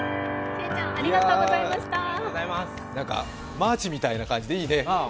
マーチみたいな感じでいいね。